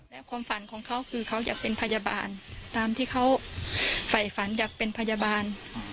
และความฝันของเขาคือเขาอยากเป็นพยาบาล